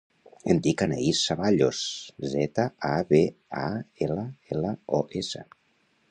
Em dic Anaïs Zaballos: zeta, a, be, a, ela, ela, o, essa.